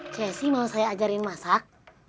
cessy mau saya ajarin masak